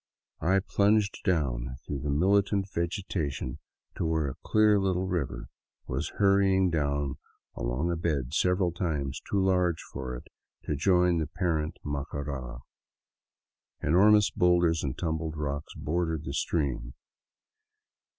I plunged down through the militant vegetation to where a clear little river was hurry ing down along a bed several times too large for it to join the parent Macara. Enormous boulders and tumbled rocks bordered the stream.